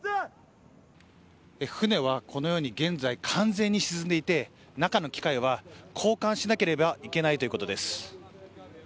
船はこのように現在、完全に沈んでいて中の機械は、交換しなければいけないということです。